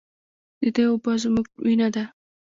د دې اوبه زموږ وینه ده؟